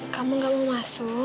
kamu gak mau masuk